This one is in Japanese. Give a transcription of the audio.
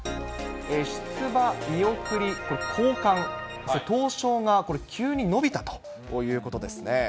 出馬見送り好感、そして東証が急に伸びたということですね。